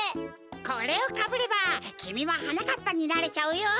これをかぶればきみもはなかっぱになれちゃうよ！